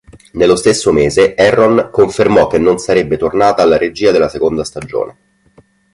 Nello stesso mese Herron confermò che non sarebbe tornata alla regia della seconda stagione.